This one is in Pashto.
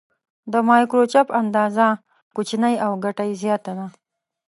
د مایکروچپ اندازه کوچنۍ او ګټه یې زیاته ده.